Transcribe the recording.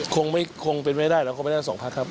ของเก้าไกรตอนนี้ถือว่าน่ากลัวไหมครับ